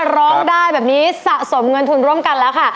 ร้องได้แบบนี้สะสมเงินทุนร่วมกันแล้วค่ะ